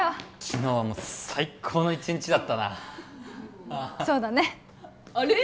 昨日はもう最高の一日だったなうんそうだねあれ？